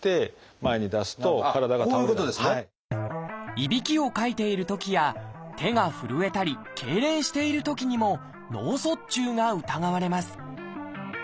いびきをかいているときや手が震えたりけいれんしているときにも脳卒中が疑われます。